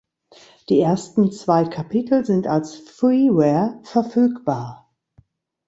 Die ersten zwei Kapitel sind als 'Freeware' verfügbar.